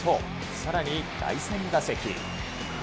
さらに第３打席。